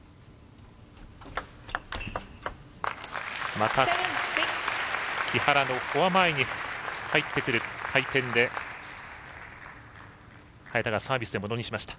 また、木原のフォア前に入ってくる回転で早田がサービスでものにしました。